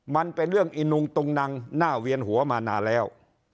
มันเป็นเรื่องอินุงตุงนังหน้าเวียนหัวมานานแล้ว